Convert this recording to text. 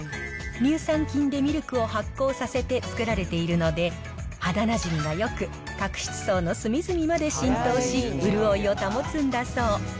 乳酸菌でミルクを発酵させて作られているので、肌なじみがよく、角質層の隅々まで浸透し、潤いを保つんだそう。